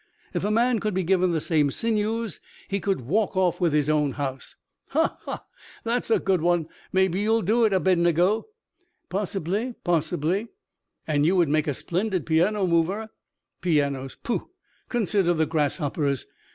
If a man could be given the same sinews he could walk off with his own house." "Ha ha! There's a good one. Maybe you'll do it, Abednego." "Possibly, possibly." "And you would make a splendid piano mover." "Pianos! Pooh! Consider the grasshoppers.